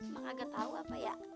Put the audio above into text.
emang agak tahu apa ya